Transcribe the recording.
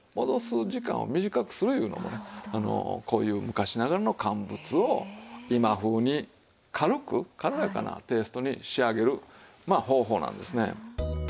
戻す時間を短くするいうのもねこういう昔ながらの乾物を今風に軽く軽やかなテイストに仕上げるまあ方法なんですね。